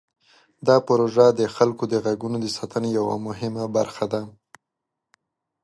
دا پروژه د خلکو د غږونو د ساتنې یوه مهمه برخه ده.